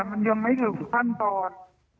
มันยังไม่ถึงขั้นตอน